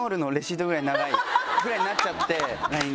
ぐらいになっちゃってＬＩＮＥが。